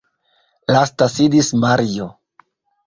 Lasta sidis Mario.